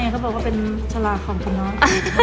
เขาบอกว่าเป็นฉลากของคุณน้อง